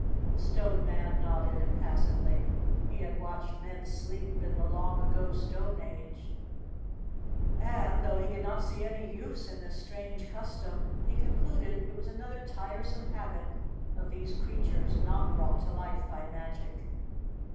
The Stone Man nodded impassively. He had watched men sleep in the long ago stone age and, though he could not see any use in this strange custom, he concluded it was another tire 266 Chapter Twenty some habit of these creatures not brought to life by magic.